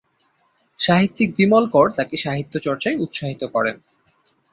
সাহিত্যিক বিমল কর তাঁকে সাহিত্যচর্চায় উৎসাহিত করেন।